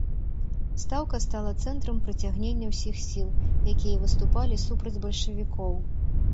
Стаўка стала цэнтрам прыцягнення ўсіх сіл, якія выступалі супраць бальшавікоў.